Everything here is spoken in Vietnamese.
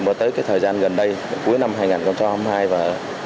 mà tới thời gian gần đây cuối năm hai nghìn hai mươi hai và hai nghìn hai mươi ba